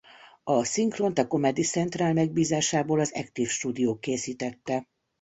A szinkront a Comedy Central megbízásából a Active stúdió készítette.